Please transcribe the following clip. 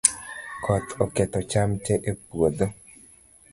Koth oketho cham tee e puotho